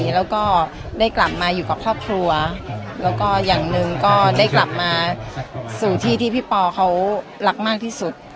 แล้วก็ได้กลับมาอยู่กับครอบครัวแล้วก็อย่างหนึ่งก็ได้กลับมาสู่ที่ที่พี่ปอเขารักมากที่สุด